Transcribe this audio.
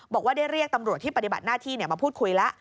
บอกว่าได้เรียกตำรวจที่ปฏิบัติหน้าที่มาพูดคุยแล้ว